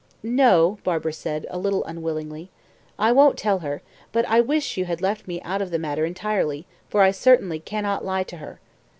"No," Barbara said, a little unwillingly, "I won't tell her; but I wish you had left me out of the matter entirely, for I certainly cannot lie to her."